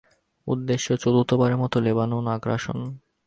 উদ্দেশ্য, চতুর্থবারের মতো লেবানন আগ্রাসন।